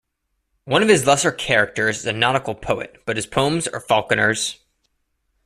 One of his lesser characters is a nautical poet but his poems are Falconer's.